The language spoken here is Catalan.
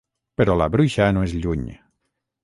Però la bruixa no és lluny.